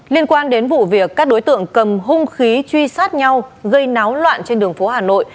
liên quan đến vụ việc các đối tượng cầm hung khí truy sát nhau gây náo loạn trên đường phố hà nội